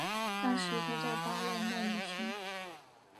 那时他到巴勒莫旅行。